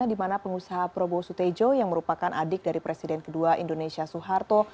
di mana pengusaha probo sutejo yang merupakan adik dari presiden kedua indonesia soeharto